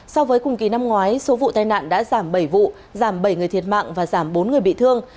so với cùng kỳ năm ngoái số vụ tai nạn đã giảm bảy vụ giảm bảy người thiệt mạng và giảm bốn người bị thương